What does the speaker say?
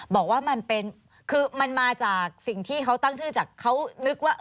บอกว่ามันเป็นคือมันมาจากสิ่งที่เขาตั้งชื่อจากเขานึกว่า